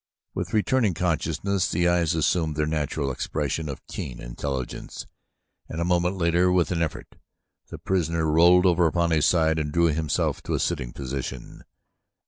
With returning consciousness the eyes assumed their natural expression of keen intelligence, and a moment later, with an effort, the prisoner rolled over upon his side and drew himself to a sitting position.